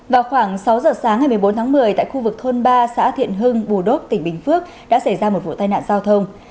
vào khoảng sáu giờ sáng ngày một mươi bốn tháng một mươi tại khu vực thôn ba xã thiện hưng bù đốc tỉnh bình phước đã xảy ra một vụ tai nạn giao thông